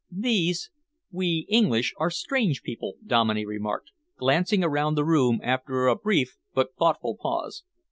"These we English are strange people," Dominey remarked, glancing around the room after a brief but thoughtful pause.